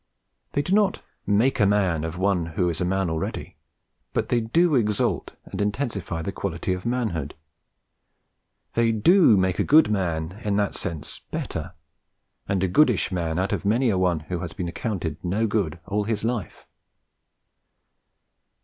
They may not 'make a man' of one who is a man already, but they do exalt and intensify the quality of manhood; they do make a good man in that sense better, and a goodish man out of many a one who has been accounted 'no good' all his life.